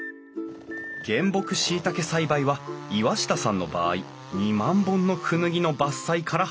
原木しいたけ栽培は岩下さんの場合２万本のクヌギの伐採から始まる。